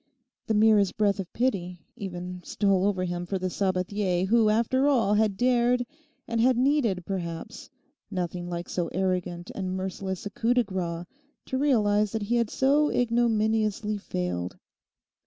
The merest breath of pity even stole over him for the Sabathier who after all had dared and had needed, perhaps, nothing like so arrogant and merciless a coup de grâce_ to realise that he had so ignominiously failed.